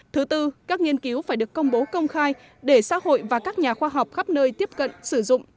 thứ tư các nghiên cứu phải được công bố công khai để xã hội và các nhà khoa học khắp nơi tiếp cận sử dụng